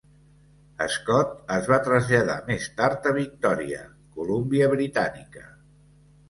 Scott es va traslladar més tard a Victoria, Columbia Britànica.